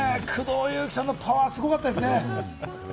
工藤夕貴さんのパワーすごかったですね。